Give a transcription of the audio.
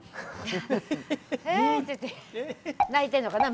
泣いてんのかな？